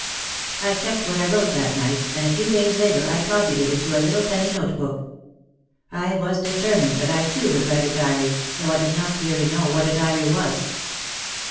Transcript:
I kept what I wrote that night and a few days later I copied it into a little penny note book. I was determined that I too would write a diary though I did not clearly know what a diary was.